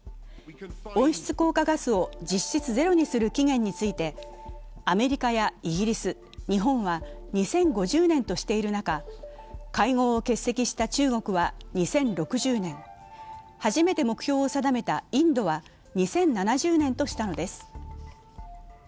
温室効果ガスを実質ゼロにする期限について、アメリカやイギリス、日本は２０５０年としている中、会合を欠席した中国は２０６０年、初めて目標を定めたインドは２０７０年としたのです。